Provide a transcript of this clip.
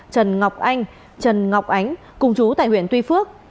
trần ngọc anh trần ngọc ánh cùng chú tại huyện tuy phước